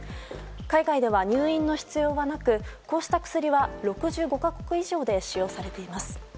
海外では入院の必要はなくこうした薬は６５か国以上で使用されています。